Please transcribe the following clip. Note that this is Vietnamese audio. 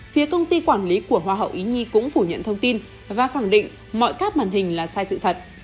phía công ty quản lý của hoa hậu ý nhi cũng phủ nhận thông tin và khẳng định mọi các màn hình là sai sự thật